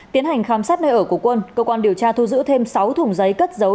tiến hành khám xét nơi ở của quân cơ quan điều tra thu giữ thêm sáu thùng giấy cất dấu